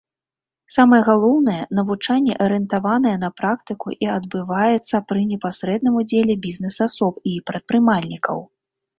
Самае галоўнае, навучанне арыентаванае на практыку і адбываецца пры непасрэдным удзеле бізнэс-асоб і прадпрымальнікаў.